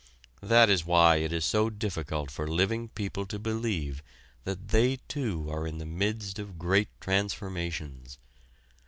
That is why it is so difficult for living people to believe that they too are in the midst of great transformations.